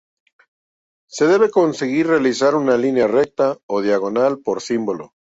Se debe conseguir realizar una línea recta o diagonal por símbolo.